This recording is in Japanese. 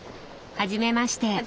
はじめまして。